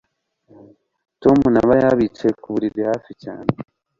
Tom na Mariya bicaye ku buriri hafi cyane